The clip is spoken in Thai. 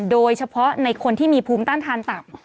โดยเฉพาะในคนที่มีภูมิต้านทานต่ำ